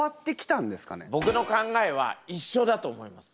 僕の考えは一緒だと思います。